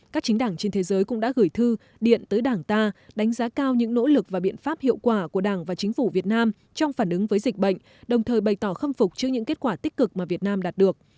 các chính đảng trên thế giới cũng đã gửi thư điện tới đảng ta đánh giá cao những nỗ lực và biện pháp hiệu quả của đảng và chính phủ việt nam trong phản ứng với dịch bệnh đồng thời bày tỏ khâm phục trước những kết quả tích cực mà việt nam đạt được